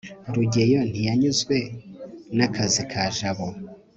rugeyo ntiyanyuzwe nakazi ka jabo